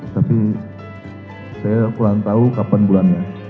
tapi saya kurang tahu kapan bulannya